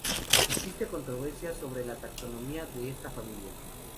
Existe controversia sobre la taxonomía de esta familia.